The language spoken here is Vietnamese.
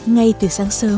ngay từ sáng sớm